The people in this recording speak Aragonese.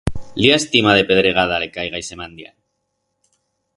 Llastima de pedregada le caiga a ixe mandián!